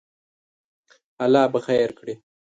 الله به خیر کړی